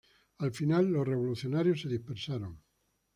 Al final los revolucionarios se dispersaron.